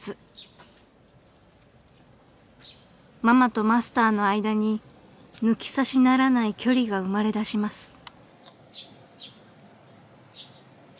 ［ママとマスターの間に抜き差しならない距離が生まれだします］